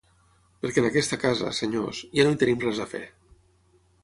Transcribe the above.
Perquè en aquesta casa, senyors, ja no hi tenim res a fer.